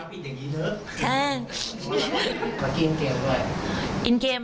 ทำไมมาผิดอย่างนี้เนี่ย